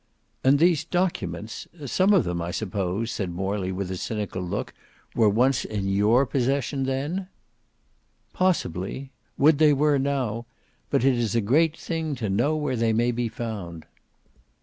"And these documents—some of them I suppose," said Morley with a cynical look, "were once in your own possession then?" "Possibly. Would they were now! But it is a great thing to know where they may be found."